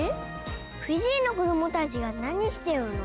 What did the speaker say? フィジーの子どもたちがなにしてるの？